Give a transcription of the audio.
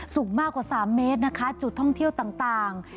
สูงมากกว่า๓เมตรนะคะจุดท่องเที่ยวต่าง